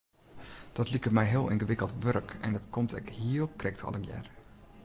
Dat liket my heel yngewikkeld wurk en dat komt ek hiel krekt allegear.